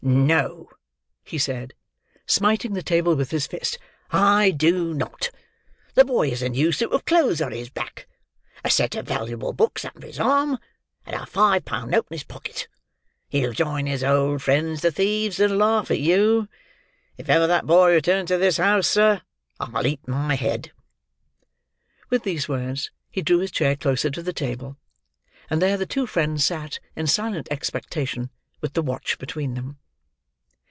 "No," he said, smiting the table with his fist, "I do not. The boy has a new suit of clothes on his back, a set of valuable books under his arm, and a five pound note in his pocket. He'll join his old friends the thieves, and laugh at you. If ever that boy returns to this house, sir, I'll eat my head." With these words he drew his chair closer to the table; and there the two friends sat, in silent expectation, with the watch between them.